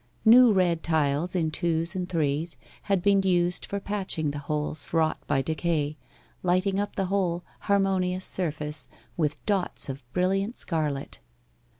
New red tiles in twos and threes had been used for patching the holes wrought by decay, lighting up the whole harmonious surface with dots of brilliant scarlet.